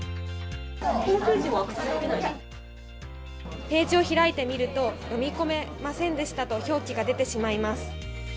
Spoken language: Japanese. ホームページにアクセスできページを開いてみると、読み込めませんでしたと表記が出てしまいます。